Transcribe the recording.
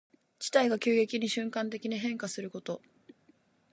事態が急激に瞬間的に変化すること。